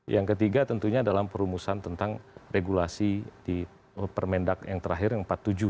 yang ketiga tentunya dalam perumusan tentang regulasi di permendak yang terakhir yang empat puluh tujuh